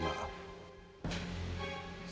aku hanya ingin menjaga kemampuan kita